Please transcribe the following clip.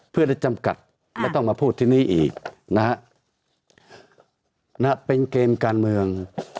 เพื่อได้จำกัดไม่ต้องมาพูดที่นี่อีกนะฮะเป็นเกมการเมือง